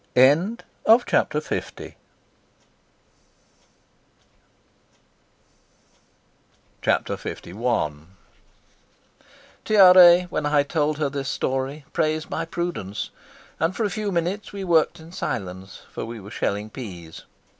Chapter LI Tiare, when I told her this story, praised my prudence, and for a few minutes we worked in silence, for we were shelling peas.